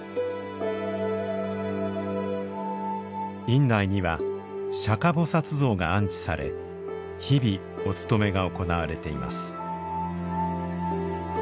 院内には釈迦菩薩像が安置され日々お勤めが行われています。